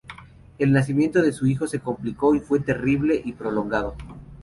El nacimiento de su hijo se complicó y fue terrible y prolongado.